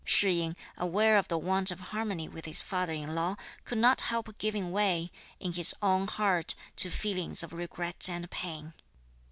Shih yin, aware of the want of harmony with his father in law, could not help giving way, in his own heart, to feelings of regret and pain.